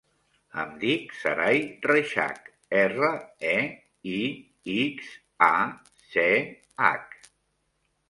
Em dic Saray Reixach: erra, e, i, ics, a, ce, hac.